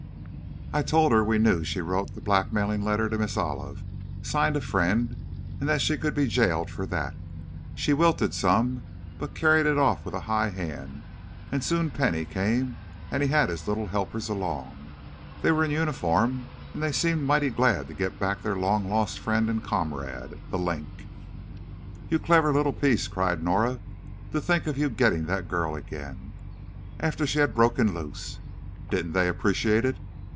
I told her we knew she wrote the blackmailing letter to Miss Olive, signed 'A Friend,' and that she could be jailed for that! She wilted some, but carried it off with a high hand and soon Penny came and he had his little helpers along. They were in uniform, and they seemed mighty glad to get back their long lost friend and comrade, 'The Link'!" "You clever little piece!" cried Norah, "to think of your getting that girl again, after she had broken loose! Didn't they appreciate it?"